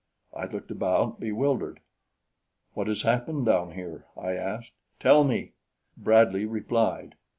I looked about, bewildered. "What has happened down here?" I asked. "Tell me!" Bradley replied.